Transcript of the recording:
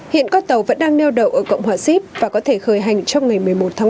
hiện các tàu vẫn đang neo đậu ở cộng hòa ship và có thể khởi hành trong ngày một mươi một tháng ba